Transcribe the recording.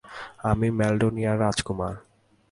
আমি ম্যাল্ডোনিয়ার রাজকুমার।